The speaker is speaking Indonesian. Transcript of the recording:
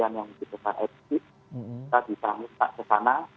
atau pengungsian yang tidak terbatas kita bisa hukumkan ke sana